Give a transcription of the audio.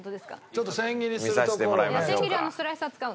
ちょっと千切りするところをね。